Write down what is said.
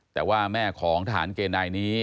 แต่ว่าแม่ของทหารเกณฑ์นายนี้